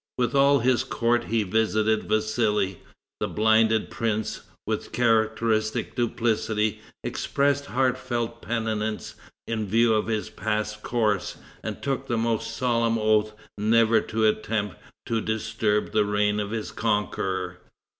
With all his court he visited Vassali. The blinded prince, with characteristic duplicity, expressed heartfelt penitence in view of his past course, and took the most solemn oaths never to attempt to disturb the reign of his conqueror.